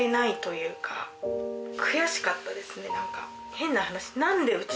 変な話。